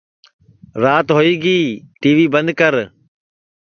راتی ہوئی گی ٹی وی بند کر